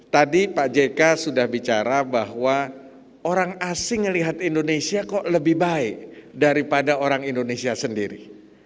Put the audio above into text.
tadi pak jk sudah bicara bahwa orang asing melihat indonesia kok lebih baik daripada orang indonesia sendiri